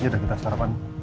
yaudah kita sarapan ya